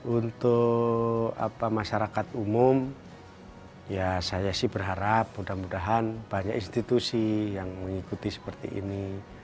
untuk masyarakat umum ya saya sih berharap mudah mudahan banyak institusi yang mengikuti seperti ini